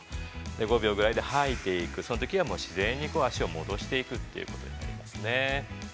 ５秒ぐらいで吐いていくそのときは自然に足を戻していくということですね。